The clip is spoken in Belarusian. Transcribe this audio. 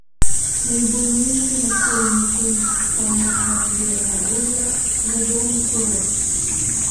Найбуйнейшы населены пункт паўночнага берага возера, вядомы курорт.